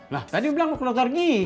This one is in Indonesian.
lah tadi lu bilang mau keluar keluar gitu